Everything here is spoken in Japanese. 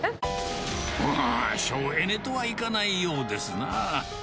省エネとはいかないようです